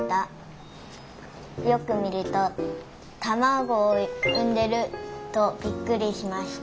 よくみるとたまごをうんでるとびっくりしました。